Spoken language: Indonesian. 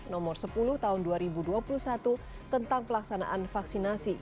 nomor sepuluh tahun dua ribu dua puluh satu tentang pelaksanaan vaksinasi